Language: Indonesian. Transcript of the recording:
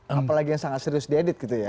apalagi yang sangat serius diedit gitu ya